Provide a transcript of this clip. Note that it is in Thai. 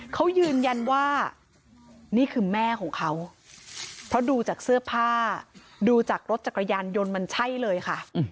เขายืนยันว่านี่คือแม่ของเขาเพราะดูจากเสื้อผ้าดูจากรถจักรยานยนต์มันใช่เลยค่ะ